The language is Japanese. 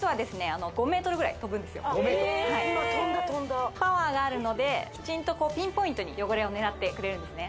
あの５ｍぐらい飛ぶんですよ・ええ今飛んだ飛んだパワーがあるのできちんとこうピンポイントに汚れを狙ってくれるんですね